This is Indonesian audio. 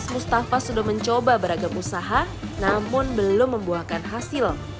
mustafa sudah mencoba beragam usaha namun belum membuahkan hasil